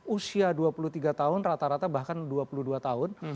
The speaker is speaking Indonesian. usia dua puluh tiga tahun rata rata bahkan dua puluh dua tahun